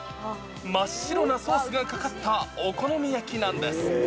真っ白なソースがかかったお好み焼きなんです。